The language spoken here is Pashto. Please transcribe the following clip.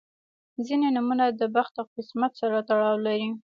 • ځینې نومونه د بخت او قسمت سره تړاو لري.